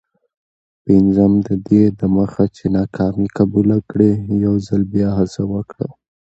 پنځم: ددې دمخه چي ناکامي قبوله کړې، یوځل بیا هڅه وکړه.